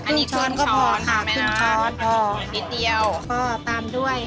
ครึ่งช้อนก็พอค่ะครึ่งช้อนอ๋อนิดเดียวก็ตามด้วย